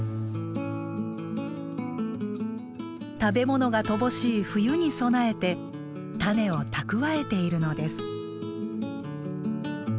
食べ物が乏しい冬に備えて種を蓄えているのです。